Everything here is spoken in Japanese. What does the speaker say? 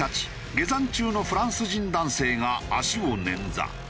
下山中のフランス人男性が足を捻挫。